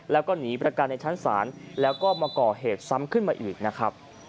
แล้วก็หนีประกันในชั้นศาลแล้วก็มาก่อเหตุซ้ำขึ้นมาอีกนะครับ